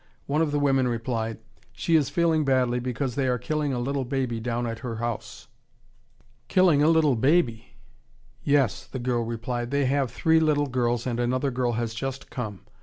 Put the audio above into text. One of the women replied, "She is feeling badly because they are killing a little baby down at her house." "Killing a little baby!" "Yes," the girl replied, "they have three little girls and another girl has just come.